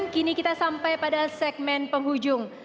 kini kita sampai pada segmen penghujung